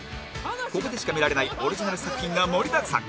ここでしか見られないオリジナル作品が盛りだくさん